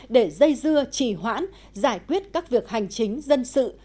để dây dưa chỉ hoãn giải quyết các việc hành chính dân sự